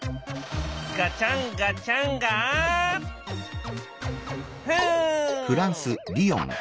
ガチャンガチャンガフン！